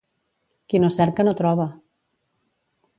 Qui no cerca no troba.